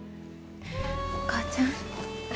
お母ちゃん。